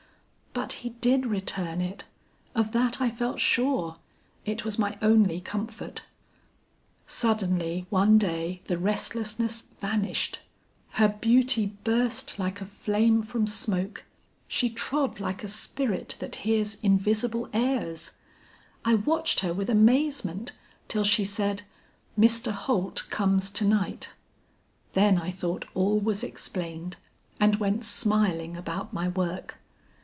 "But he did return it; of that I felt sure. It was my only comfort. "Suddenly one day the restlessness vanished. Her beauty burst like a flame from smoke; she trod like a spirit that hears invisible airs. I watched her with amazement till she said 'Mr. Holt comes to night,' then I thought all was explained and went smiling about my work.